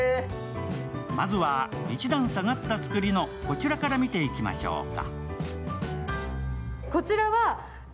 まずは、一段下がった造りのこちらから見ていきましょうか。